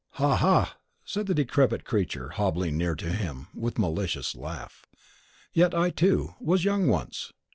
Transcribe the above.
"Ha, ha!" said the decrepit creature, hobbling near to him, and with a malicious laugh. "Yet I, too, was young once!